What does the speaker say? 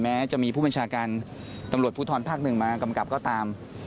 แม้จะมีผู้บัญชาการตำรวจภูทรภาคหนึ่งมากำกับก็ตาม